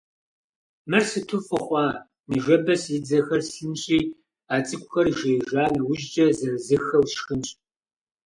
Мыр сыту фӀы хъуа! Ныжэбэ си дзэхэр слъынщи, а цӀыкӀухэр жеижа нэужькӀэ, зэрызыххэу сшхынщ.